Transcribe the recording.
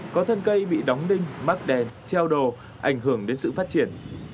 có thân cây bị đóng đinh mắc đèn treo đồ ảnh hưởng đến sự phát triển